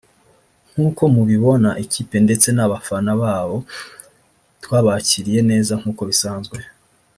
"Nkuko mubibona ikipe ndetse n’abafana babo twabakiriye neza nk’uko bisazwe